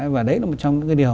và đấy là một trong những cái điều